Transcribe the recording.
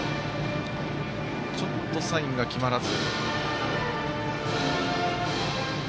ちょっとサインが決まらず。